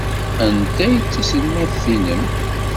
Anta ay d taselmadt-nnem?